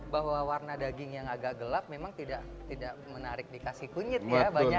bahwa warna daging yang agak gelap memang tidak menarik dikasih kunyit ya